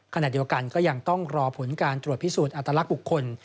ขณะเดียวกันก็ยังต้องรอผลการตรวจพิสูจน์อัตลักษณ์บุคคล